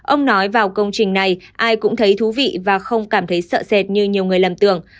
ông nói vào công trình này ai cũng thấy thú vị và không cảm thấy sợ sệt như nhiều người lầm tưởng